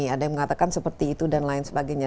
ada yang mengatakan seperti itu dan lain sebagainya